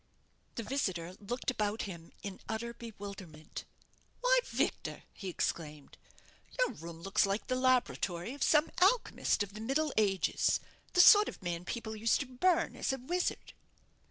The visitor looked about him in utter bewilderment. "Why, Victor," he exclaimed, "your room looks like the laboratory of some alchymist of the Middle Ages the sort of man people used to burn as a wizard."